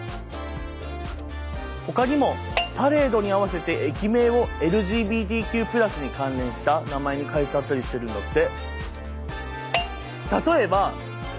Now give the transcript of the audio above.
ほかにもパレードに合わせて駅名をＬＧＢＴＱ＋に関連した名前に変えちゃったりしてるんだって。